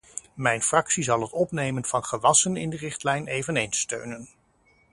Mijn fractie zal het opnemen van gewassen in de richtlijn eveneens steunen.